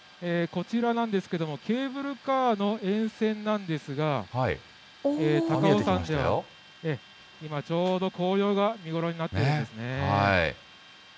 こちらなんですけども、ケーブルカーの沿線なんですが、高尾山は今、ちょうど紅葉が見頃になっているんですね。